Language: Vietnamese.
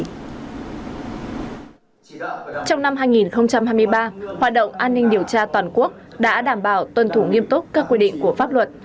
trong năm hai nghìn hai mươi ba hoạt động an ninh điều tra toàn quốc đã đảm bảo tuân thủ nghiêm túc các quy định của pháp luật